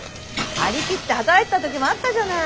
張り切って働いてた時もあったじゃない。